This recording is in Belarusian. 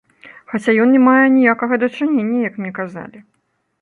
Хаця ён не мае аніякага дачынення, як мне казалі.